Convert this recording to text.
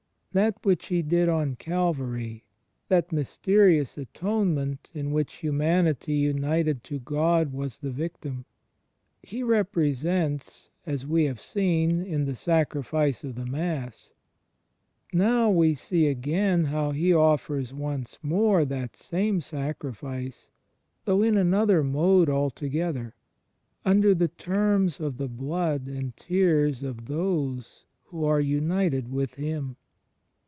That which He did on Calvary — that mysterious atonement in which Hiunanity united to God was the victim — He represents, as we have seen, in the Sacrifice of the Mass; now we see again how He offers once more that same sacrifice, though in another mode altogether, imder the terms of the blood and tears of those who are imited with Him.